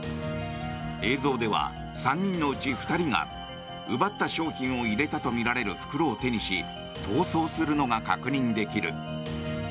映像では３人のうち２人が奪った商品を入れたとみられる袋を手にし逃走するのが確認できる。